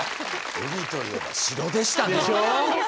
海といえば城でしたね。